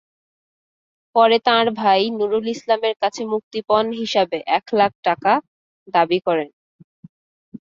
পরে তাঁর ভাই নূরুল ইসলামের কাছে মুক্তিপণ হিসেবে একলাখ টাকা দাবি করেন।